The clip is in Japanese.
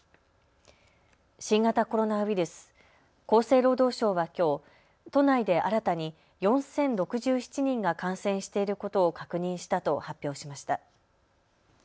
新型コロナウイルス、厚生労働省はきょう都内で新たに４０６７人が感染していることを確認したと発表しました。